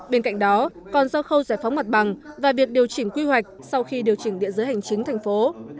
bên cạnh đó còn do khâu giải phóng mặt bằng và việc điều chỉnh quy hoạch sau khi điều chỉnh địa giới hành chính thành phố